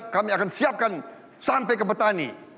kami akan siapkan sampai ke petani